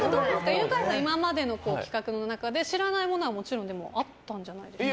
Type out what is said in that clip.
犬飼さん、今までの企画の中で知らないものは、もちろんあったんじゃないですか？